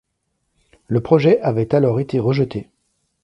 Le projet avait alors été rejeté.